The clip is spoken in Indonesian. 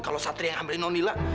kalau satria yang ambilin nona nila